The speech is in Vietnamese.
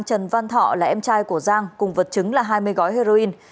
đối tượng văn thọ là em trai của giang cùng vật chứng là hai mươi gói heroin